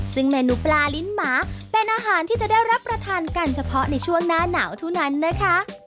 ซึ่งเมนูปลาลิ้นหมาเป็นอาหารที่จะได้รับประทานกันเฉพาะในช่วงหน้าหนาวเท่านั้นนะคะ